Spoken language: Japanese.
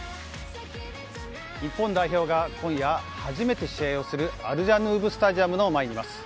日本代表が今夜初めて試合をするアルジャヌーブスタジアムの前にいます。